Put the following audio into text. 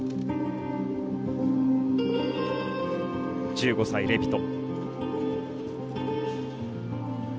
１５歳、レビト。